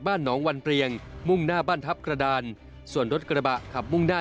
น้องวันเปลียงมุ่งหน้าบ้านทัพกระดานส่วนรถกระบะขับมุ่งหน้า